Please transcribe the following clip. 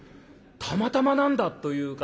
たまたまなんだという方とかね。